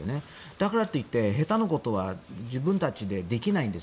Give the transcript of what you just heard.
だからと言って下手なことは自分たちでできないんです。